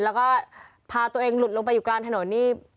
แล้วก็พาตัวเองหลุดลงไปอยู่กลางถนนนี่